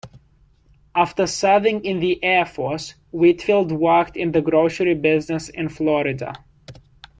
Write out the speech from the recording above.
After serving in the Air Force, Whitfield worked in the grocery business in Florida.